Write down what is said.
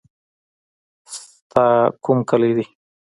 ستا کوم کلی دی.